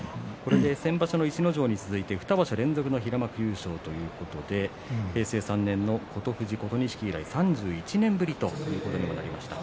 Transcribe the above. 先場所の逸ノ城に続いて２場所連続の平幕優勝ということで平成３年の琴富士、琴錦以来３１年ぶりということにもなりました。